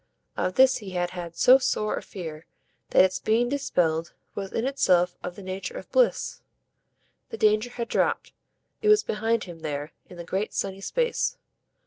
Of this he had had so sore a fear that its being dispelled was in itself of the nature of bliss. The danger had dropped it was behind him there in the great sunny space.